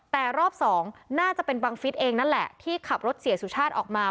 แต่รอบสองน่าจะเป็นบังฟิศเองนั่นแหละที่ขับรถเสียสุชาติออกมา